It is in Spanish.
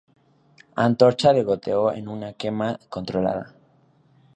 Antorcha de goteo en una quema controlada.